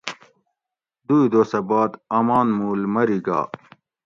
دوئی دوسہ باد آمان مول میری گا